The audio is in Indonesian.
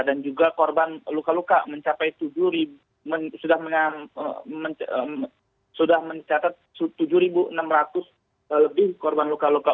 dan juga korban luka luka mencapai tujuh enam ratus lebih korban luka luka